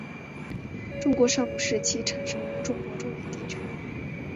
中国上古时期产生于中国中原地区。